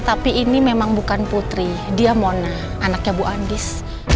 tapi ini memang bukan putri dia mona anaknya bu andis